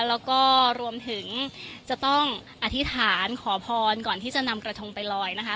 แล้วก็รวมถึงจะต้องอธิษฐานขอพรก่อนที่จะนำกระทงไปลอยนะคะ